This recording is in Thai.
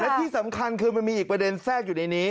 และที่สำคัญคือมันมีอีกประเด็นแทรกอยู่ในนี้